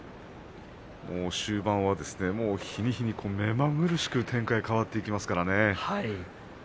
終盤は日に日に目まぐるしく展開が変わってきます。